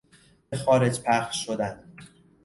به خارج پخش شدن